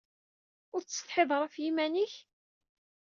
Ur tessetḥiḍ ara ɣef yiman-ik?